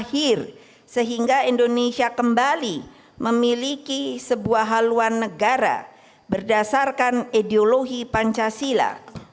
dan kemudian sehingga indonesia kembali memiliki sebuah haluan negara berdasarkan ideologi pancasila